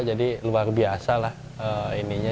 jadi luar biasa lah ininya